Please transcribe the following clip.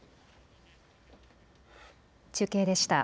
中継でした。